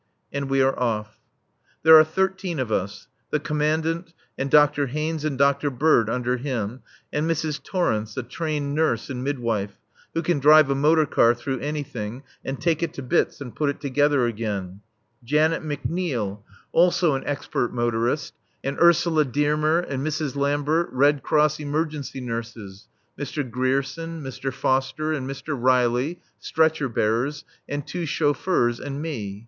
And we are off. There are thirteen of us: The Commandant, and Dr. Haynes and Dr. Bird under him; and Mrs. Torrence, a trained nurse and midwife, who can drive a motor car through anything, and take it to bits and put it together again; Janet McNeil, also an expert motorist, and Ursula Dearmer and Mrs. Lambert, Red Cross emergency nurses; Mr. Grierson, Mr. Foster and Mr. Riley, stretcher bearers, and two chauffeurs and me.